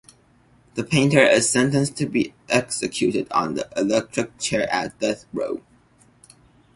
The painter is sentenced to be executed on the electric chair at Death Row.